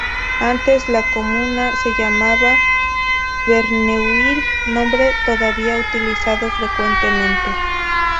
Antes, la comuna se llamaba Verneuil, nombre todavía utilizado frecuentemente.